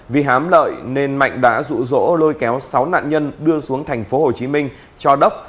vì hám lợi nên mạnh đã rụ rỗ lôi kéo sáu nạn nhân đưa xuống thành phố hồ chí minh cho đốc